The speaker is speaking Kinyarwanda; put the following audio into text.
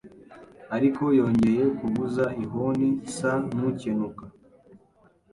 ariko yongeye kuvuza ihoni nsa nukenuka